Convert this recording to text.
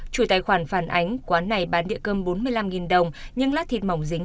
chủ tài khoản phản ánh quán này bán địa cơm bốn mươi năm đồng nhưng lá thịt mỏng dính